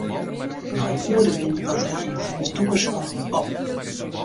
Nei in oere wiene de batterijen fan ús dûkerslampen op.